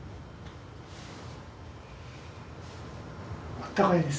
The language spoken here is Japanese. あったかいです。